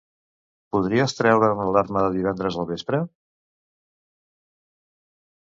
Podries treure'm l'alarma de divendres al vespre?